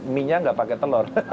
mie nya nggak pakai telur